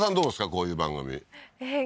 こういう番組えっ